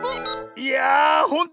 いやあほんと